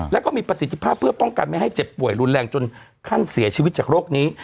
แล้วก็มีประสิทธิภาพเพื่อป้องกันไม่ให้เจ็บป่วยรุนแรงจนขั้นเสียชีวิตจากโรคนี้